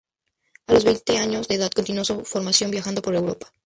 A los veinte años de edad continuó su formación viajando por Europa.